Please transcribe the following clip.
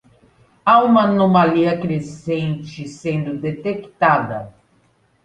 Há uma anomalia crescente sendo detectada